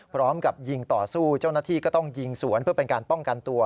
พร้อมกับยิงต่อสู้เจ้าหน้าที่ก็ต้องยิงสวนเพื่อเป็นการป้องกันตัว